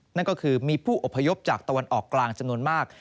นั่นก็คือมีผู้อพยพจากตะวันออกกลางจำนวนมาก